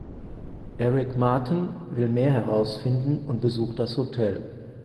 Eric Martin will mehr herausfinden und besucht das Hotel.